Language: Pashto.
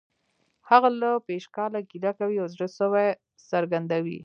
هغه له پشکاله ګیله کوي او زړه سوی څرګندوي